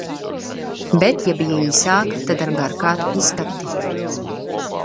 Bet ja bija īsāka, tad ar garkātu izkapti.